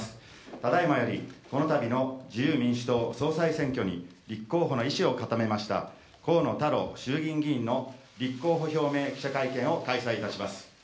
ただいまより、この度の自由民主党総裁選挙に立候補の意思を固めました河野太郎衆議院議員の立候補表明記者会見を開催いたします。